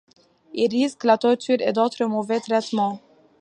Ils risquent la torture et d'autres mauvais traitements.